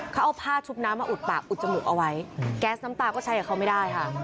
เขาเอาผ้าชุบน้ำมาอุดปากอุดจมูกเอาไว้แก๊สน้ำตาก็ใช้กับเขาไม่ได้ค่ะ